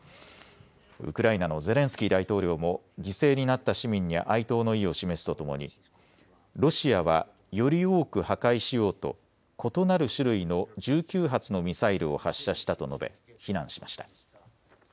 ウクライナのゼレンスキー大統領も犠牲になった市民に哀悼の意を示すとともにロシアはより多く破壊しようと異なる種類の１９発のミサイルを発射したと述べ非難しました。